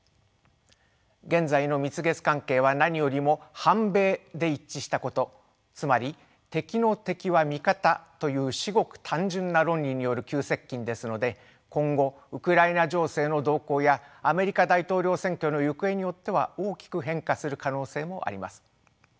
現在の蜜月関係は何よりも反米で一致したことつまり敵の敵は味方という至極単純な論理による急接近ですので今後ウクライナ情勢の動向やアメリカ大統領選挙の行方によっては大きく変化する可能性もあります。